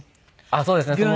あっそうですね。